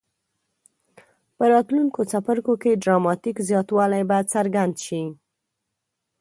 په راتلونکو څپرکو کې ډراماټیک زیاتوالی به څرګند شي.